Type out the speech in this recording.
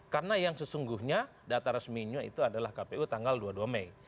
karena yang sesungguhnya data resminya itu adalah kpu tanggal dua puluh dua mei